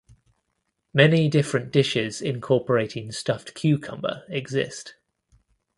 Many different dishes incorporating stuffed cucumber exist.